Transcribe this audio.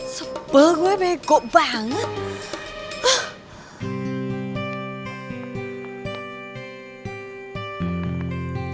sebel gue bego banget